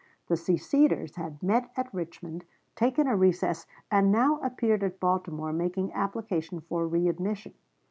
The seceders had met at Richmond, taken a recess, and now appeared at Baltimore making application for readmission.